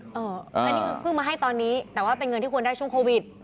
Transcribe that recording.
อันนี้คือเพิ่งมาให้ตอนนี้แต่ว่าเป็นเงินที่ควรได้ช่วงโควิด